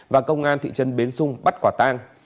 và công an thị trấn bến xung bắt quả tang